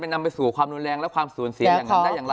และนำไปสู่ความดูแลงและความสูญศีลอย่างนี้ได้อย่างไร